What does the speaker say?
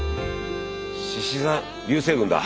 しし座流星群だ。